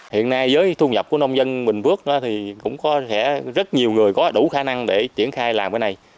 hiện nay với thu nhập của nông dân bình phước thì cũng có rất nhiều người có đủ khả năng để triển khai làm cái này